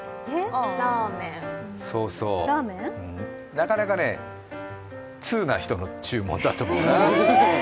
なかなかね、通な人の注文だと思うな。